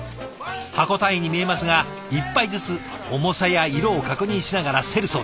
箱単位に見えますが１杯ずつ重さや色を確認しながら競るそうです。